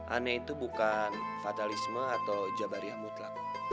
aneh itu bukan fatalisme atau jabariah mutlak